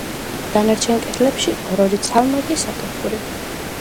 დანარჩენ კედლებში ორ-ორი ცალმაგი სათოფური.